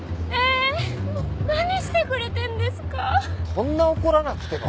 そんな怒らなくても。